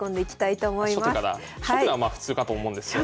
初手は普通かと思うんですけどね。